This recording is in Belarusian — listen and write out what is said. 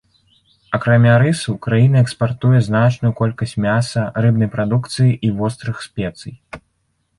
Акрамя рысу, краіна экспартуе значную колькасць мяса, рыбнай прадукцыі і вострых спецый.